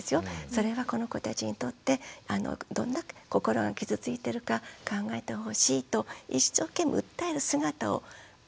それはこの子たちにとってどんだけ心が傷ついてるか考えてほしいと一生懸命訴える姿を子どもは見てます。